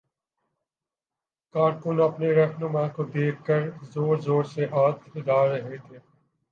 کارکن اپنے راہنما کو دیکھ کر زور زور سے ہاتھ ہلا رہے تھے